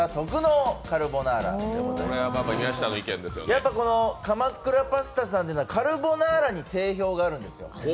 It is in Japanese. やっぱ鎌倉パスタさんってのはカルボナーラに定評があるんですよ。